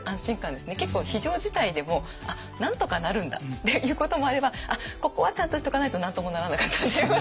結構非常事態でもなんとかなるんだっていうこともあればここはちゃんとしとかないと何ともならなかったっていう。